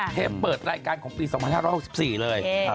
เปิดรายการของปี๒๕๖๔เลย